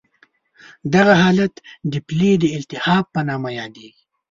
دغه حالت د پلې د التهاب په نامه یادېږي.